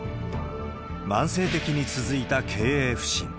慢性的に続いた経営不振。